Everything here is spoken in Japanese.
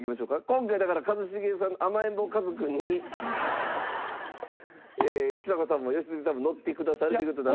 今回だから一茂さん甘えん坊カズくんにちさ子さんも良純さんものってくださるという事なので。